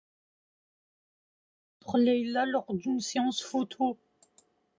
Luc rencontre Leïla lors d'une séance photo.